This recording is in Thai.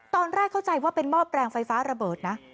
ตอนแรกเข้าใจว่าเป็นหม้อแปลงไฟฟ้าระเบิดนะ